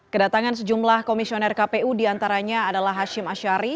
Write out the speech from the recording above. kedatangan sejumlah komisioner kpu diantaranya adalah hashim ashari